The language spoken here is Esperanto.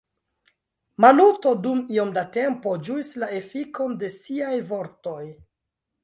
Maluto dum iom da tempo ĝuis la efikon de siaj vortoj.